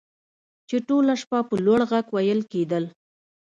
چې ټوله شپه په لوړ غږ ویل کیدل